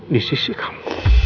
di sisi kamu